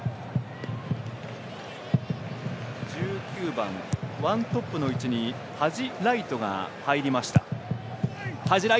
１９番、ワントップの位置にハジ・ライトが入りました。